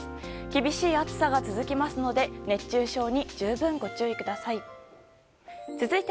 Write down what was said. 厳しい暑さが続きますので熱中症に十分ご注意ください。